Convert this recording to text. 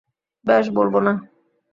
বেশ, বলবো না।